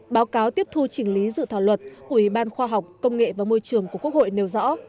báo cáo tiếp thu chỉnh lý dự thảo luật của ủy ban khoa học công nghệ và môi trường của quốc hội nêu rõ